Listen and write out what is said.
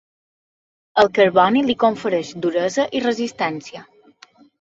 El carboni li confereix duresa i resistència.